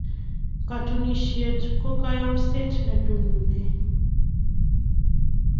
Katunisyet ko kayamiset ne tuneni.